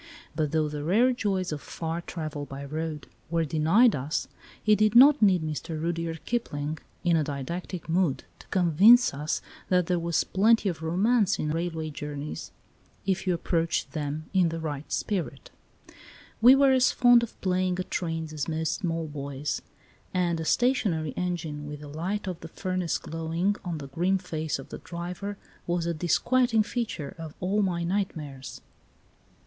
But though the rarer joys of far travel by road were denied us, it did not need Mr. Rudyard Kipling in a didactic mood to convince us that there was plenty of romance in railway journeys if you approached them in the right spirit. We were as fond of playing at trains as most small boys, and a stationary engine with the light of the furnace glowing on the grim face of the driver was a disquieting feature of all my nightmares.